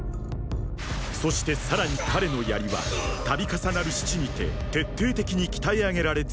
そしてさらに彼の槍は度重なる死地にて徹底的に鍛え上げられ続けた。